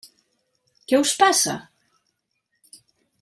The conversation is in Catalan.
Què us passa?